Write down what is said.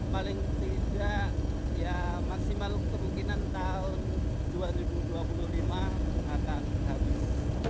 paling tidak ya maksimal kemungkinan tahun dua ribu dua puluh lima akan habis